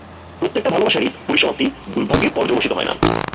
প্রত্যেকটা ভালবাসারই পরিসমাপ্তি দূর্ভাগ্যে পর্যবসিত হয় না!